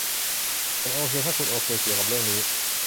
ฉันโอเคถ้าคุณโอเคเกี่ยวกับเรื่องนี้